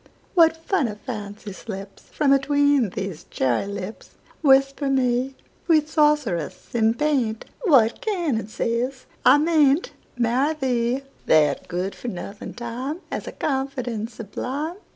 What funny fancy slipsFrom atween these cherry lips! Whisper me, Sweet sorceress in paint, What canon says I may n'tMarry thee? That good for nothing TimeHas a confidence sublime!